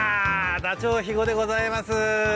ダチョウ肥後でございます。